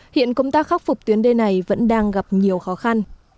hiện công tác khắc phục tuyến đê này vẫn đang gặp nhiều khó khăn